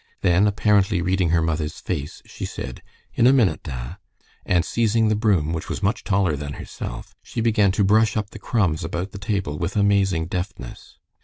Then, apparently reading her mother's face, she said, "In a minute, da," and seizing the broom, which was much taller than herself, she began to brush up the crumbs about the table with amazing deftness.